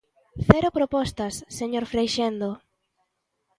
¡Cero propostas, señor Freixendo!